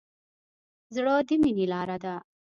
زړه د مینې لاره ده.